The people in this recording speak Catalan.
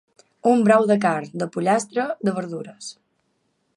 Un brou de carn, de pollastre, de verdures.